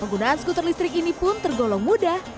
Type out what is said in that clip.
penggunaan skuter listrik ini pun tergolong mudah